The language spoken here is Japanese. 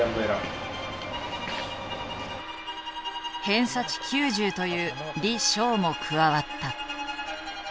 偏差値９０という李昌も加わった。